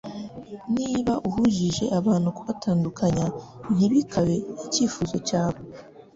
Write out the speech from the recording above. Niba Uhujije abantu kubatandukanya ntibikabe Icyifuzo cyawe